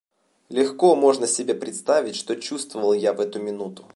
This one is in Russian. Легко можно себе представить, что чувствовал я в эту минуту.